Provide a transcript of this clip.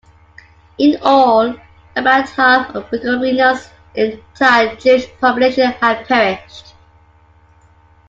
In all, about half of Bukovina's entire Jewish population had perished.